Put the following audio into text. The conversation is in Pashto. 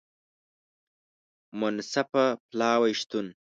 د منصفه پلاوي شتون